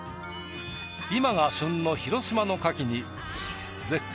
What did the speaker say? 今が旬の広島のカキに絶景